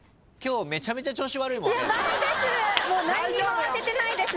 もう何にも当ててないです。